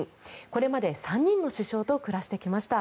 これまで３人の首相と暮らしてきました。